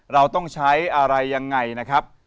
เราต้องใช้อะไรยังไงนะครับ